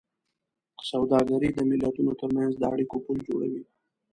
سوداګري د ملتونو ترمنځ د اړیکو پُل جوړوي.